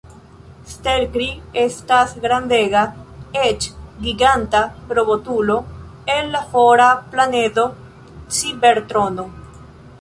Stelkri estas grandega, eĉ giganta, robotulo el la fora planedo Cibertrono.